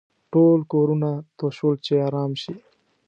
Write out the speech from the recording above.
ټول کورونو ته شول چې ارام شي.